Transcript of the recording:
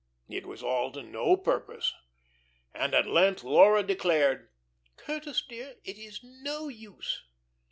It was all to no purpose, and at length Laura declared: "Curtis, dear, it is no use.